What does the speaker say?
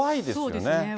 そうですね。